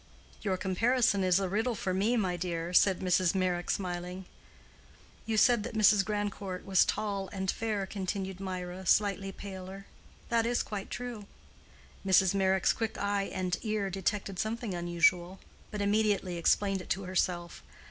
"Your comparison is a riddle for me, my dear," said Mrs. Meyrick, smiling. "You said that Mrs. Grandcourt was tall and fair," continued Mirah, slightly paler. "That is quite true." Mrs. Meyrick's quick eye and ear detected something unusual, but immediately explained it to herself.